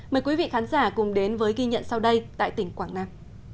mời quý vị khán giả cùng đến với ghi nhận sau đây tại tỉnh quảng nam